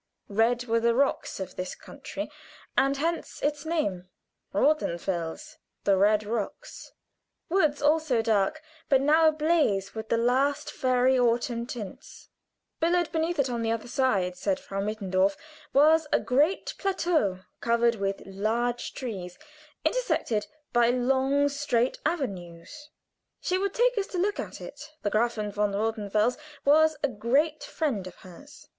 Red were the rocks of this country, and hence its name, "Rothen fels," the red rocks. Woods, also dark, but now ablaze with the last fiery autumn tints, billowed beneath it; on the other side, said Frau Mittendorf, was a great plateau covered with large trees, intersected by long, straight avenues. She would take us to look at it; the Gräfin von Rothenfels was a great friend of hers.